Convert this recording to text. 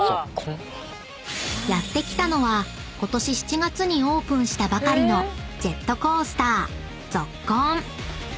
［やって来たのはことし７月にオープンしたばかりのジェットコースター］